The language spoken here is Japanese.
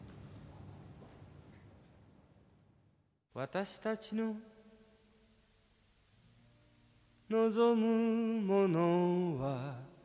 「私たちの望むものは」